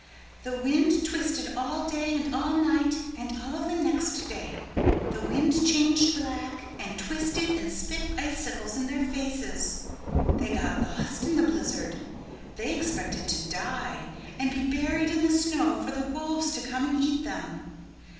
The wind twisted all day and all night and all the next day. The wind changed black and twisted and spit icicles in their faces. They got lost in the blizzard. They expected to die and be buried in the snow for the wolves to come and eat them.